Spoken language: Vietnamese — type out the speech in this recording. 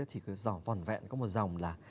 thì có vỏn vẹn có một dòng là